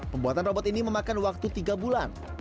pembuatan robot ini memakan waktu tiga bulan